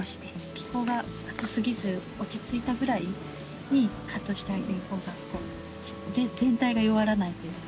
気候が暑すぎず落ち着いたぐらいにカットしてあげるほうが全体が弱らないっていうのか。